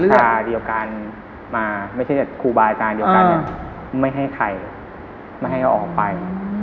นิสาเดียวกันมาไม่ใช่แต่ครูบายจานเดียวกันเนี่ยไม่ให้ใครไม่ให้เขาออกไป